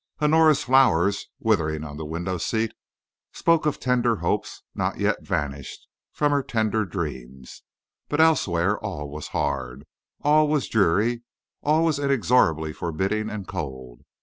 Honora's flowers, withering on the window seat, spoke of tender hopes not yet vanished from her tender dreams, but elsewhere all was hard, all was dreary, all was inexorably forbidding and cold.